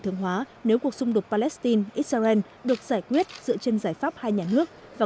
thường hóa nếu cuộc xung đột palestine israel được giải quyết dựa trên giải pháp hai nhà nước và